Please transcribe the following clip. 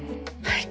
はい！